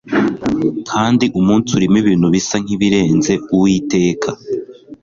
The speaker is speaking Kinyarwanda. Kandi umunsi urimo ibintu bisa nkibirenze Uwiteka